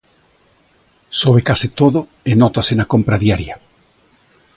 Sobe case todo e nótase na compra diaria.